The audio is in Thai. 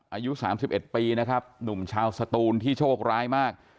อายุ๓๑ปีนะครับหนุ่มชาวสตูนที่โชคร้ายมาก